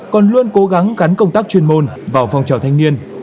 còn luôn cố gắng cắn công tác chuyên môn vào phòng trào thanh niên